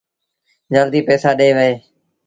جلديٚ پئيٚسآ ڏي وهيٚ۔